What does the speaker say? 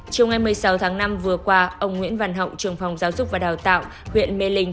chiều ngày một mươi sáu tháng năm vừa qua ông nguyễn văn hậu trường phòng giáo dục và đào tạo huyện mê linh